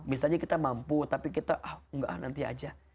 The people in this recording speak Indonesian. misalnya kita mampu tapi kita ah enggak nanti aja